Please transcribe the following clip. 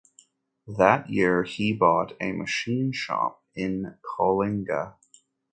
That year he bought a machine shop in Coalinga.